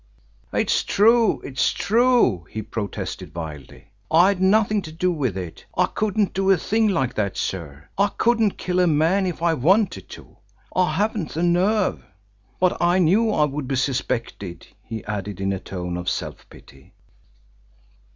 "It's true; it's true!" he protested wildly. "I had nothing to do with it. I couldn't do a thing like that, sir. I couldn't kill a man if I wanted to I haven't the nerve. But I knew I would be suspected," he added, in a tone of self pity.